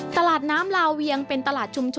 ตลาดน้ำลาเวียงเป็นตลาดชุมชน